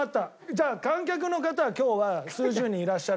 じゃあ観客の方は今日は数十人いらっしゃるわけですよ。